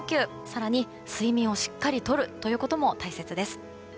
更に、睡眠をしっかりとるということも大切です。